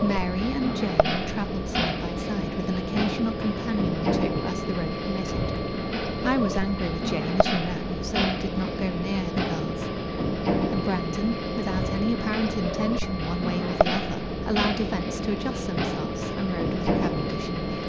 Mary and Jane traveled side by side, with an occasional companion or two, as the road permitted. I was angry with Jane, as you know, so did not go near the girls; and Brandon, without any apparent intention one way or the other, allowed events to adjust themselves, and rode with Cavendish and me.